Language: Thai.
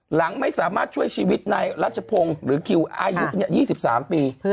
หลังไม่สามารถช่วยชีวิตนายรัชพงศ์หรือคิวอายุ๒๓ปี